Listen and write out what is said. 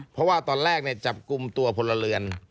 เพราะว่าตอนแรกจับกลุ่มตัวพลเรือน